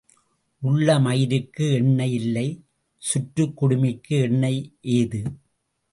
உள்ள மயிருக்கு எண்ணெய் இல்லை சுற்றுக் குடுமிக்கு எண்ணெய் ஏது?